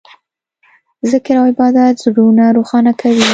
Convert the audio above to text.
ذکر او عبادت زړونه روښانه کوي.